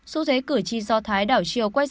xu thế cử tri do thái đảo chiều quay trở